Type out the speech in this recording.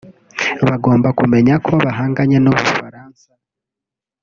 bagomba kumenya ko bahanganye n’u Bufaransa